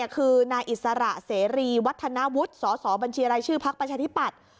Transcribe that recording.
คือนายอิสระเสรีวัฒนวุฒิสบชภประชาธิปัตธิ์